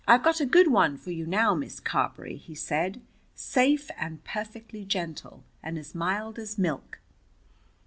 "I've got a good one for you now, Miss Carberry," he said. "Safe and perfectly gentle, and as mild as milk.